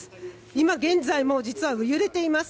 今現在も実は揺れています。